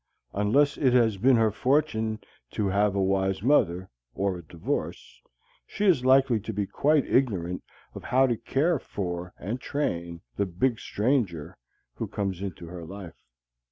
Unless it has been her fortune to have a wise mother or a divorce, she is likely to be quite ignorant of how to care for and train the "big stranger" who comes into her life.